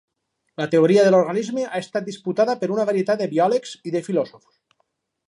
La teoria de l'organisme ha estat disputada per una varietat de biòlegs i de filòsofs.